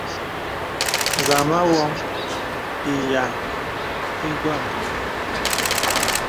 Zàmā wōŋ ìya ìguæm.